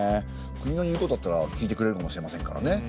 国の言うことだったら聞いてくれるかもしれませんからね。